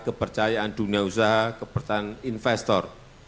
kepercayaan dunia usaha kepercayaan investor